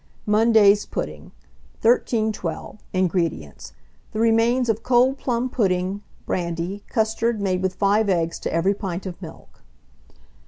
MONDAY'S PUDDING. 1312. INGREDIENTS. The remains of cold plum pudding, brandy, custard made with 5 eggs to every pint of milk.